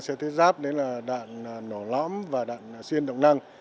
sẽ thiết giáp đến là đạn nổ lõm và đạn xuyên động năng